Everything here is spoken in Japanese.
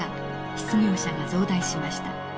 失業者が増大しました。